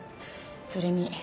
それに。